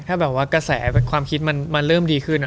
ถ้าแบบว่ากระแสความคิดมันเริ่มดีขึ้น